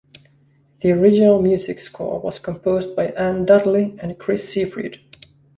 The original music score was composed by Anne Dudley and Chris Seefried.